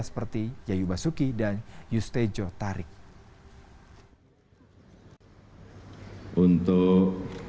seperti yayu basuki dan yustejo tarik